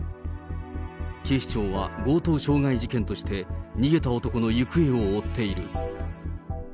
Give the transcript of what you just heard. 警視庁は強盗傷害事件として、逃げた男の行方を追っている。